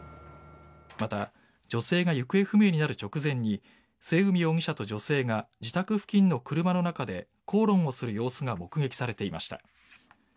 また女性が行方不明になる直前に末海容疑者と女性が自宅付近の車の中で口論をする様子が目撃されていました。